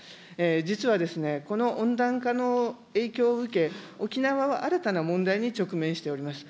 実はこの温暖化の影響を受け、沖縄は新たな問題に直面しております。